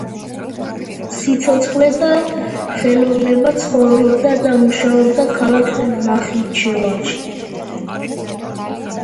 სიცოცხლე და ხელოვნება ცხოვრობდა და მუშაობდა ქალაქ ნახიჩევანში.